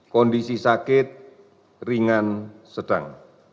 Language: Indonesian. kondisi sakit ringan sedang